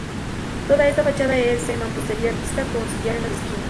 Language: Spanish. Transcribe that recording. Toda esta fachada es de mampostería vista, con sillar en las esquinas.